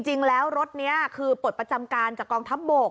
จริงแล้วรถนี้คือปลดประจำการจากกองทัพบก